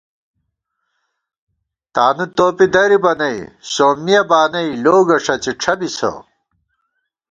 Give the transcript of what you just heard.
تانُو توپی درِبہ نئ سومِیہ بانَئ لوگہ ݭَڅی ڄھبِسہ